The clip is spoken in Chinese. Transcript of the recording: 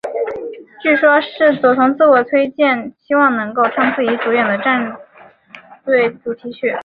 据说是佐藤自我推荐希望能够唱自己主演的战队主题曲。